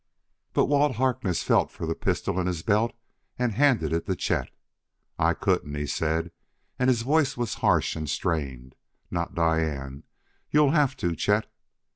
But Walt Harkness felt for the pistol in his belt and handed it to Chet. "I couldn't," he said, and his voice was harsh and strained, " not Diane; you'll have to, Chet."